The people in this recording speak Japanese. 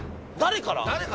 誰から？